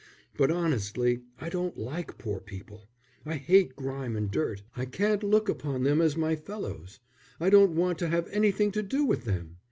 But honestly I don't like poor people; I hate grime and dirt; I can't look upon them as my fellows; I don't want to have anything to do with them.